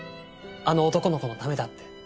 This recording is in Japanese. あの男の子のためだって。